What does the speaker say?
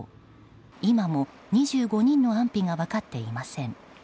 今も２５人の安否が分かっていません。